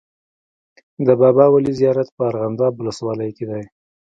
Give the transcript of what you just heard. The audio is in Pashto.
د بابا ولي زیارت په ارغنداب ولسوالۍ کي دی.